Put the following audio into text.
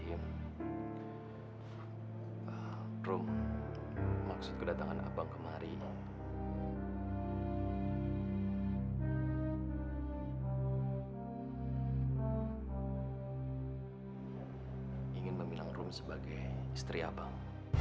ingin membilang rum sebagai istri abang